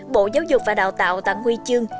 bộ giáo dục và đào tạo tặng nguy chương